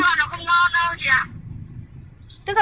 không thuộc là nó không ngon đâu chị ạ